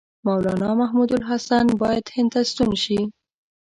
مولنا محمودالحسن باید هند ته ستون شي.